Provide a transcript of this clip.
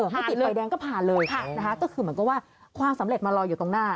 ไม่ติดไฟแดงก็ผ่านเลยนะคะก็คือเหมือนกับว่าความสำเร็จมาลอยอยู่ตรงหน้า